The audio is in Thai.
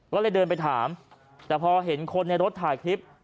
ก็เลยเดินไปถามแต่พอเห็นคนในรถถ่ายคลิป